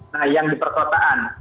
nah yang di perkotaan